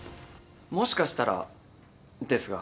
もしかしたらですが。